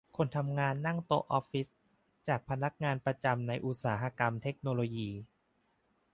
คนทำงานนั่งโต๊ะออฟฟิศ จากพนักงานประจำในอุตสาหกรรมเทคโนโลยี